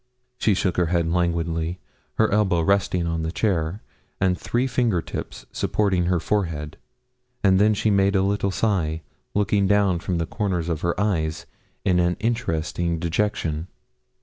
She shook her head languidly, her elbow resting on the chair, and three finger tips supporting her forehead, and then she made a little sigh, looking down from the corners of her eyes, in an interesting dejection.